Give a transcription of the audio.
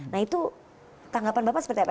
nah itu tanggapan bapak seperti apa ya pak